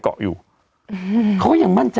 สวัสดีครับคุณผู้ชม